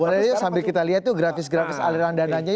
boleh sambil kita lihat tuh grafis grafis aliran dana nya